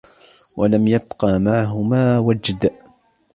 وَلَمْ يَبْقَ مَعَهُمَا وَجْدٌ